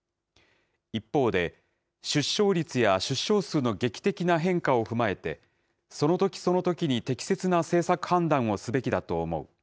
一方で、出生率や出生数の劇的な変化を踏まえて、そのときそのときに適切な政策判断をすべきだと思う。